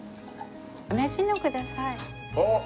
同じのをください。おっ！